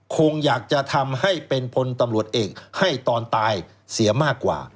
คงอยากจะทำให้เป็นพลตำรวจเอกให้ตอนตายเสียมากกว่า